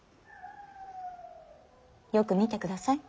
よく見てください。